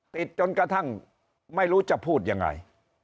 จนกระทั่งไม่รู้จะพูดยังไง